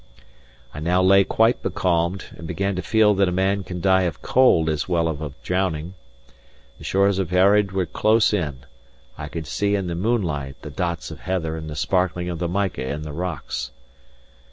I now lay quite becalmed, and began to feel that a man can die of cold as well as of drowning. The shores of Earraid were close in; I could see in the moonlight the dots of heather and the sparkling of the mica in the rocks.